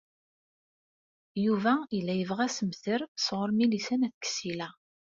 Yuba yella yebɣa assemter sɣur Milisa n At Ksila.